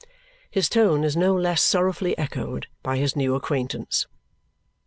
His tone is no less sorrowfully echoed by his new acquaintance.